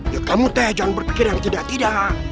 ya kamu teh jangan berpikir yang tidak tidak